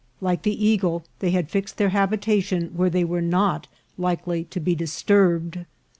Like the eagle, they had fixed their habitation where they were not likely to be disturbed.